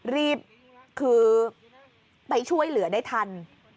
รีบคือไปช่วยเหลือได้ทัน